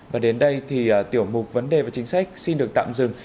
và đến đây thì tiểu mục vấn đề và chính sách xin được tạm dừng